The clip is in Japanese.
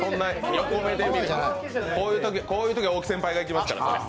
横目で見ないで、こういうときは大木先輩がいきますから。